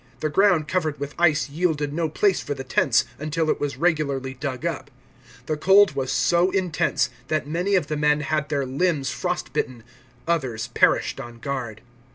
The ground covered with ice yielded no place for the tents, until it was regularly dug up. The cold was so intense that many of the men had then* limbs frost * Horace, Odes, ii. 9. 4: ...